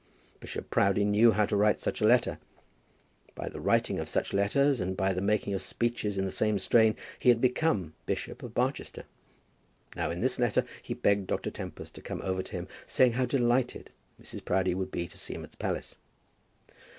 Bishop Proudie knew how to write such a letter. By the writing of such letters, and by the making of speeches in the same strain, he had become Bishop of Barchester. Now, in this letter, he begged Dr. Tempest to come over to him, saying how delighted Mrs. Proudie would be to see him at the palace.